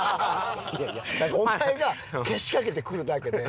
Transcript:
お前がけしかけてくるだけで。